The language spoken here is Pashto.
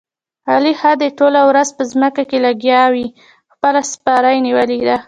علي ښه دې ټوله ورځ په ځمکه کې لګیاوي، خپله سپاره یې نیولې ده.